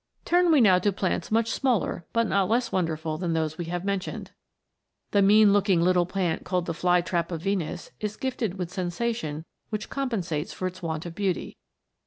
Turn we now to plants much smaller but not less wonderful than those we have mentioned. The mean looking little plant called the .Fly trap of Venus, is gifted with sensation which compensates for its want of beauty.